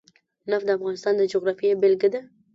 نفت د افغانستان د جغرافیې بېلګه ده.